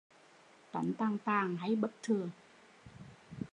Tánh tàng tàng hay bất thường